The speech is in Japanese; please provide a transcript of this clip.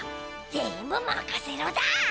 全部まかせろだ！